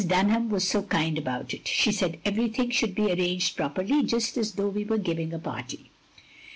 Dunham was so kind about it ; she said everything should be arranged properly just as though we were giving a party.